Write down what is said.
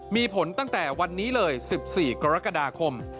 มีผลตั้งแต่วันนี้เลย๑๔กรกฎาคม